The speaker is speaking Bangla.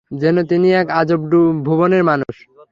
যেন তিনি এক আজব ভুবনের মানুষ।